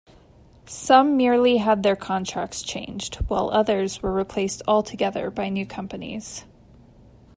Some merely had their contracts changed, while others were replaced altogether by new companies.